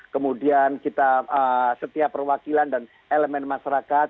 kemudian kita setiap perwakilan dan elemen masyarakat